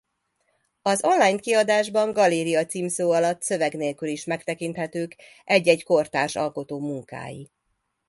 Az online kiadásban Galéria címszó alatt szöveg nélkül is megtekinthetők egy-egy kortárs alkotó munkái.